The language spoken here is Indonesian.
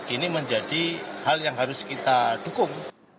ini menjadi hal yang harus kita dukung